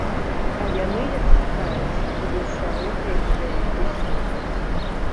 А яны, як чакаецца, будуць сярэдняй і вялікай сілы.